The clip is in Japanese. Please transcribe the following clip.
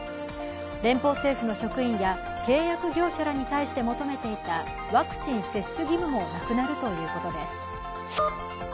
連邦政府の職員や契約業者らに対して求めていたワクチン接種義務もなくなるということです。